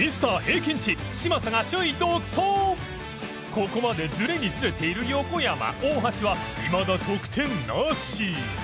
ここまでズレにズレている横山大橋はいまだ得点なし